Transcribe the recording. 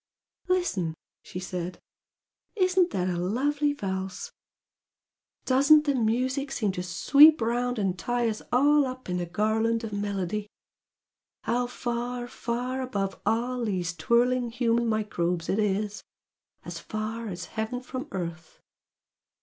"Listen!" she said "Isn't that a lovely valse? Doesn't the music seem to sweep round and tie us all up in a garland of melody! How far, far above all these twirling human microbes it is! as far as heaven from earth!